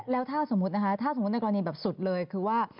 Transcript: แล้วถ้าสมมุติในกรณีแบบสุดเลยคือว่า